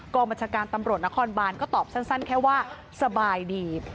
บัญชาการตำรวจนครบานก็ตอบสั้นแค่ว่าสบายดี